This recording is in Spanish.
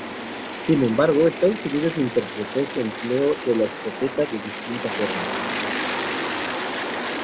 Sin embargo, Estados Unidos interpretó su empleo de la escopeta de distinta forma.